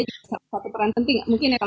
juga satu peran penting mungkin ya